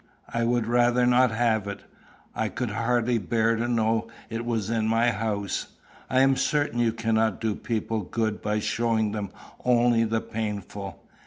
I would rather not have it. I could hardly bear to know it was in my house. I am certain you cannot do people good by showing them only the painful.